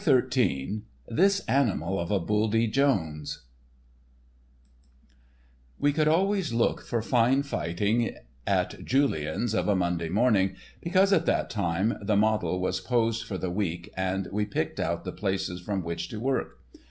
*"*_*This Animal of a Buldy Jones*_*"* We could always look for fine fighting at Julien's of a Monday morning, because at that time the model was posed for the week and we picked out the places from which to work.